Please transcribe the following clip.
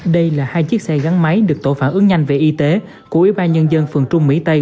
đây là hai chiếc xe gắn máy được tổ phản ứng nhanh về y tế của ubnd phường trung mỹ tây